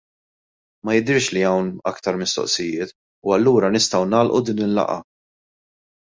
Ma jidhirx li hawn aktar mistoqsijiet u allura nistgħu nagħlqu din il-laqgħa.